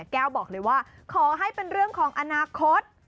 แก้วบอกเลยว่าขอให้เป็นเรื่องของอนาคต